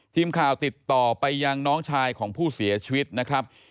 ทีมข่าวติดต่อไปยังน้องชายของผู้เสียชีวิตนะครับ